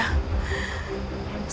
setidaknya dia akan berjaya